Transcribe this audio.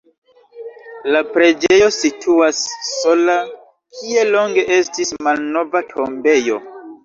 La preĝejo situas sola, kie longe estis malnova tombejo.